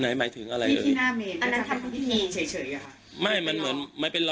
ไหนหมายถึงอะไรอันนั้นทำพิธีเฉยเฉยค่ะไม่มันเหมือนไม่เป็น